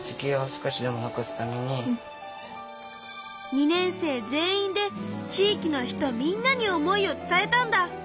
２年生全員で地域の人みんなに思いを伝えたんだ。